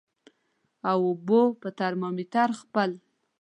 او اوبو په ترمامیټر خپل